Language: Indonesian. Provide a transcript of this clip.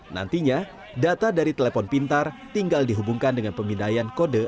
nantinya data dari telepon pintar tinggal dihubungkan dengan pemindaian kode